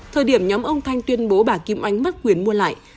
thời điểm nhóm ông thanh tuyên bố bà kim oanh mất quyền mua lại